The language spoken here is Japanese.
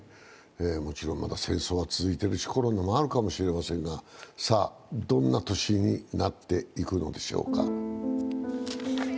もちろん、まだ戦争は続いてるしコロナもあるかもしれませんがさあ、どんな年になっていくのでしょうか。